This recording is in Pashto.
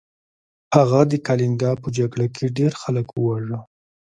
هغه د کلینګا په جګړه کې ډیر خلک وواژه.